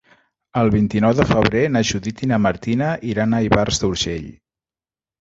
El vint-i-nou de febrer na Judit i na Martina iran a Ivars d'Urgell.